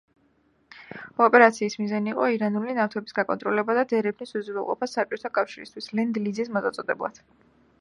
ოპერაციის მიზანი იყო ირანული ნავთობის გაკონტროლება და დერეფნის უზრუნველყოფა საბჭოთა კავშირისთვის ლენდ-ლიზის მისაწოდებლად.